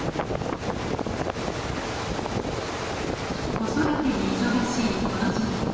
子育てに忙しいこの時期。